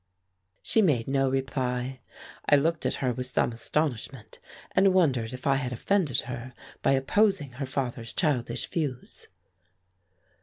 She made no reply. I looked at her with some astonishment, and wondered if I had offended her by opposing her father's childish views.